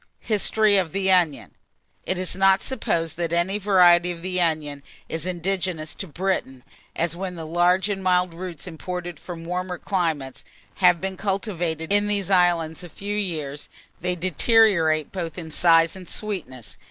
HISTORY OF THE ONION. It is not supposed that any variety of the onion is indigenous to Britain, as when the large and mild roots imported from warmer climates, have been cultivated in these islands a few years, they deteriorate both in size and sweetness.